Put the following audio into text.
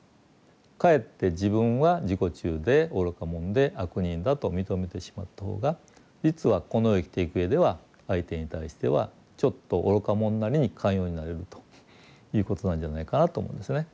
かえって自分は自己中で愚か者で悪人だと認めてしまった方が実はこの世を生きていくうえでは相手に対してはちょっと愚か者なりに寛容になれるということなんじゃないかなと思うんですね。